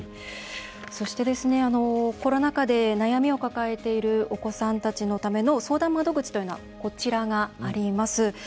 そしてコロナ禍で悩みを抱えているお子さんたちのための相談窓口、こちらがあります。